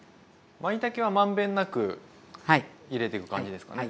まいたけは満遍なく入れていく感じですかね？